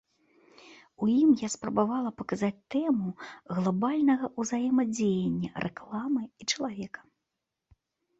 У ім я спрабавала паказаць тэму глабальнага ўзаемадзеяння рэкламы і чалавека.